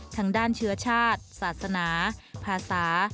ทางด้านเชื้อชาติศาสนาภาษา